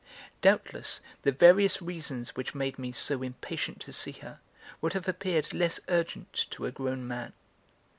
Doubtless the various reasons which made me so impatient to see her would have appeared less urgent to a grown man.